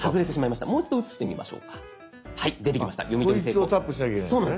こいつをタップしなきゃいけないんですね